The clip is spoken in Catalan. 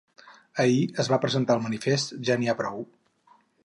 Ahir es va presentar el manifest Ja n’hi ha prou.